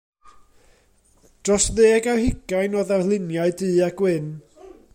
Dros ddeg ar hugain o ddarluniau du-a-gwyn.